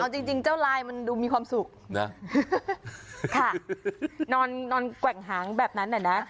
จริงเจ้าลายมันดูมีความสุขนะค่ะนอนนอนแกว่งหางแบบนั้นน่ะนะ